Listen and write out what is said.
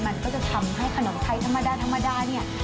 มันก็จะทำให้ขนมไทยธรรมดาธรรมดาเนี่ย